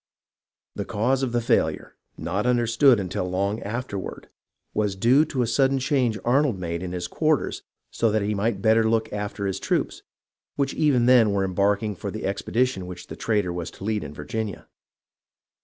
The cause of the failure, not understood until long afterward, was due to a sudden change Arnold made in his quarters so that he might better look after his troops, which even then were embarking for the expedition which the traitor was to lead in Virginia.